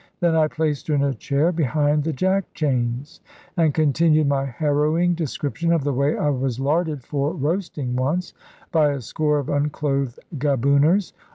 Then I placed her in a chair behind the jack chains, and continued my harrowing description of the way I was larded for roasting once; by a score of unclothed Gabooners.